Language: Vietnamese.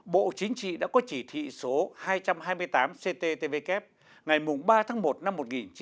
bộ chính trị đã có chỉ thị số hai trăm hai mươi tám cttvk ngày ba tháng một năm một nghìn chín trăm bảy mươi